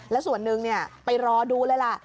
แล้วส่วนหนึ่งไปรอดูเลยล่ะ